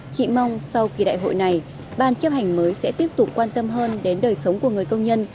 chị mong sau kỳ đại hội này ban chấp hành mới sẽ tiếp tục quan tâm hơn đến đời sống của người công nhân